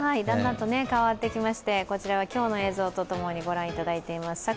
だんだんと変わってきまして、こちらは今日の映像とともに御覧いただいています。